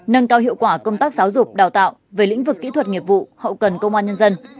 nâng cao hiệu quả công tác giáo dục đào tạo về lĩnh vực kỹ thuật nghiệp vụ hậu cần công an nhân dân